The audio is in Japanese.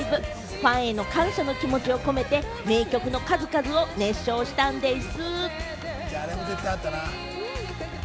ファンへの感謝の気持ちを込めて名曲の数々を熱唱したんでぃす。